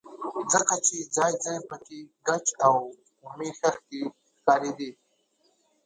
ځکه چې ځاى ځاى پکښې ګچ او اومې خښتې ښکارېدلې.